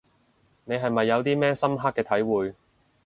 你係咪有啲咩深刻嘅體會